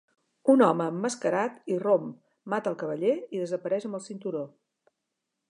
Un home emmascarat irromp, mata el Cavaller i desapareix amb el cinturó.